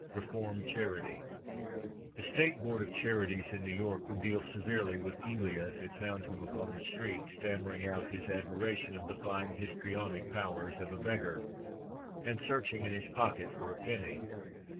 REFORM CHARITY The State Board of Charities in New York would deal severely with Elia if it found him upon the street, stammering out his admiration of the fine histrionic powers of a beggar, and searching in his pocket for a penny.